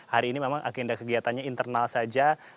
hari ini memang agenda kegiatannya internal saja